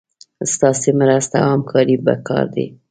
ستاسي مرسته او همکاري پکار ده